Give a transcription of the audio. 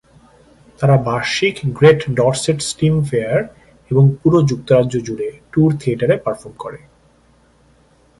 তারা বার্ষিক great Dorset steam fair এবং পুরো যুক্তরাজ্য জুড়ে ট্যুর থিয়েটারে পারফর্ম করে।